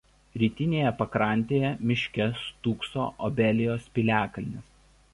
Rytinėje pakrantėje miške stūkso Obelijos piliakalnis.